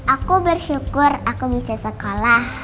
aku bersyukur aku bisa sekolah